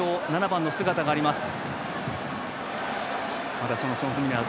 ７番の姿があります。